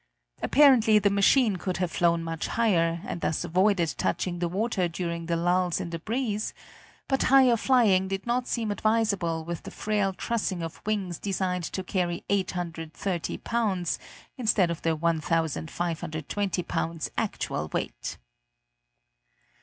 Apparently the machine could have flown much higher, and thus avoided touching the water during the lulls in the breeze; but higher flying did not seem advisable with the frail trussing of wings designed to carry 830 pounds instead of the 1,520 pounds actual weight.